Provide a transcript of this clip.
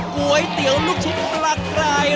ก๋วยเตี๋ยวลูกชิ้นปลาไกร